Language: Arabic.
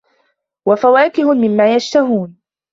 وفواكه مما يشتهون